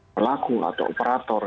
pelaku atau operator